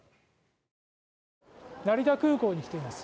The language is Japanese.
成田空港に来ています。